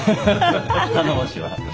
頼もしいわ。